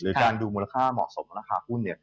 การดูมูลค่าเหมาะสมของราคาหุ้น